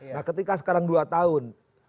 nah ketika sekarang dua tahun